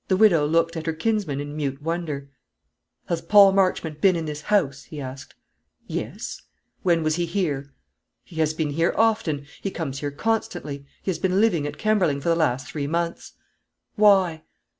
The widow looked at her kinsman in mute wonder. "Has Paul Marchmont been in this house?" he asked. "Yes." "When was he here?" "He has been here often; he comes here constantly. He has been living at Kemberling for the last three months." "Why?"